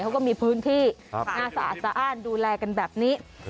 เขาก็มีพื้นที่น่าสะอาดสะอ้านดูแลกันแบบนี้